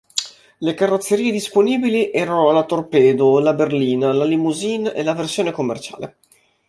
Le carrozzerie disponibili erano la torpedo, la berlina, la limousine e la versione commerciale.